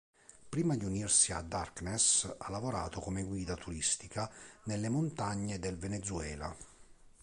Prima di unirsi ai Darkness, ha lavorato come guida turistica nelle montagne del Venezuela.